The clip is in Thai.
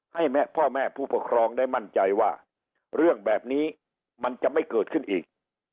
ให้พ่อแม่ผู้ปกครองได้มั่นใจว่าเรื่องแบบนี้มันจะไม่เกิดขึ้นอีก